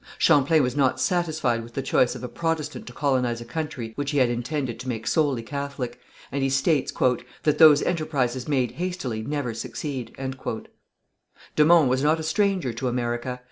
Champlain was not satisfied with the choice of a Protestant to colonize a country which he had intended to make solely Catholic, and he states, "that those enterprises made hastily never succeed." De Monts was not a stranger to America.